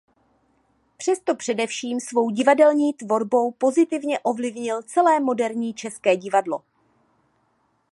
Přesto především svou divadelní tvorbou pozitivně ovlivnil celé moderní české divadlo.